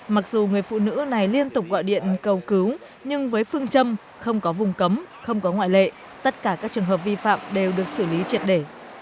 mặc dù người phụ nữ này liên tục gọi điện cầu cứu nhưng với phương châm không có vùng cấm không có ngoại lệ tất cả các trường hợp vi phạm đều được xử lý triệt để